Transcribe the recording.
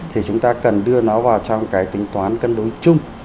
thì chúng ta cần đưa nó vào trong cái tính toán cân đối chung